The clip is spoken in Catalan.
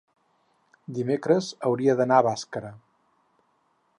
dimecres hauria d'anar a Bàscara.